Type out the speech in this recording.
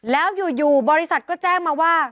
แล้วอยู่บริษัทก็แจ้งมาว่า